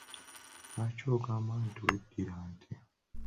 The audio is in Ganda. Lwaki ogamba nti weddira nte?